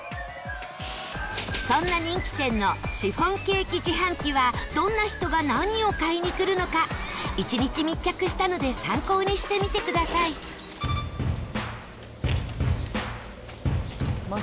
そんな人気店のシフォンケーキ自販機はどんな人が何を買いに来るのか１日密着したので参考にしてみてください高橋：